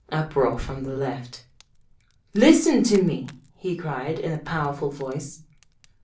(Uproar from the Left.) "Listen to me!" he cried in a powerful voice.